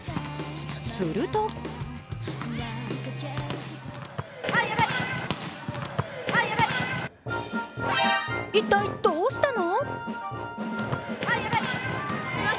すると一体どうしたの？